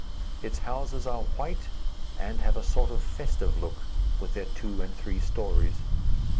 Its houses are white and have a sort of festive look, with their two and three stories.